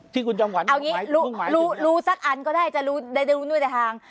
ที่คุณจอมขวัญเอาอย่างนี้รู้สักอันก็ได้จะรู้ได้รู้ด้วยแต่ทาง